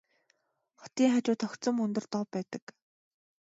Хотын хажууд огцом өндөр дов байдаг.